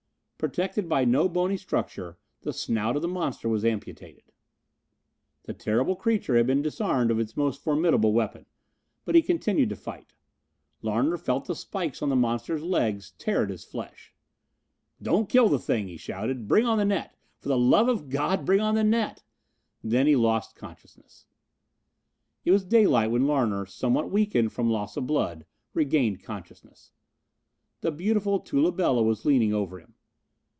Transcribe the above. Protected by no bony structure the snout of the monster was amputated. The terrible creature had been disarmed of his most formidable weapon, but he continued to fight. Larner felt the spikes on the monster's legs tear at his flesh. "Don't kill the thing," he shouted. "Bring on the net. For the love of God bring on the net!" Then he lost consciousness. It was daylight when Larner, somewhat weakened from loss of blood, regained consciousness. The beautiful Tula Bela was leaning over him.